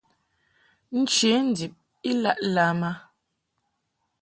Nche ndib I laʼ lam a.